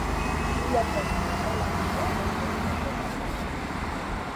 Lia postfutbala vivo estas nekonata.